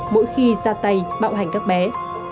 mỗi khi ra tay bạo hành các bé